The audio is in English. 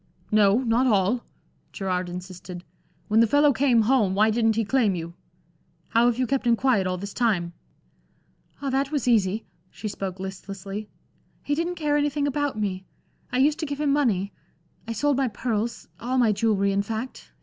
"No, not all." Gerard insisted. "When the fellow came home, why didn't he claim you? How have you kept him quiet, all this time?" "Ah, that was easy." She spoke listlessly. "He didn't care anything about me; I used to give him money. I sold my pearls all my jewelry, in fact.